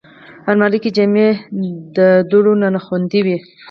الماري کې جامې د دوړو نه خوندي وي